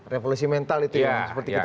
revolusi mental itu ya seperti kita